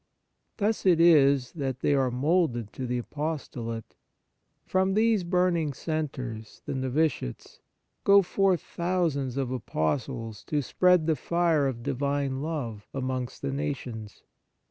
Thus it is that they are moulded to the aposto late ; from these burning centres, the novitiates, go forth thousands of apostles to spread the fire of divine love amongst the nations.